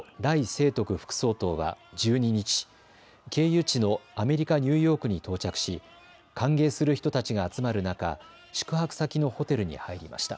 清徳副総統は１２日経由地のアメリカ・ニューヨークに到着し歓迎する人たちが集まる中宿泊先のホテルに入りました。